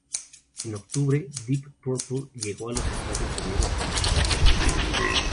En octubre, Deep Purple llegó a los Estados Unidos para comenzar su gira.